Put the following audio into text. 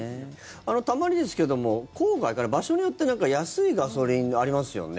たまにですけども郊外かな場所によって安いガソリンありますよね？